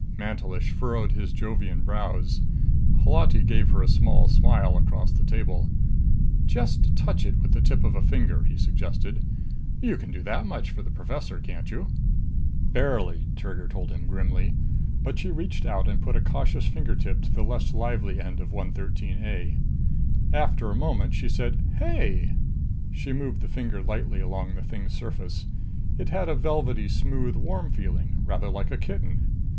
Mantelish furrowed his Jovian brows. Holati gave her a small smile across the table. "Just touch it with the tip of a finger," he suggested. "You can do that much for the professor, can't you?" "Barely," Trigger told him grimly. But she reached out and put a cautious finger tip to the less lively end of 113 A. After a moment she said, "Hey!" She moved the finger lightly along the thing's surface. It had a velvety, smooth, warm feeling, rather like a kitten.